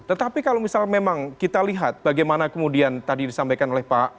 tetapi kalau misal memang kita lihat bagaimana kemudian tadi disampaikan oleh pak